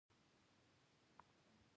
ما وویل زه اوس پوه شوم چې مطلب دې څه دی.